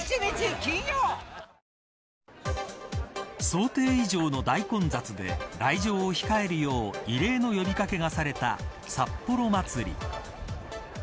想定以上の大混雑で来場を控えるよう異例の呼び掛けがされた札幌まつり。